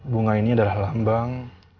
bunga ini adalah lambang